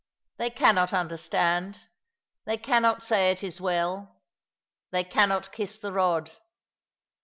They cannot understand ; they cannot say it is well. They cannot kiss the rod.